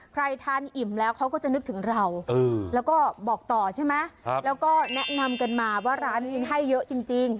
ใครทานอิ่มแล้วเขาก็จะนึกถึงเราแล้วก็บอกต่อใช่ไหมแล้วก็แนะนำกันมาว่าร้านนี้ให้เยอะจริง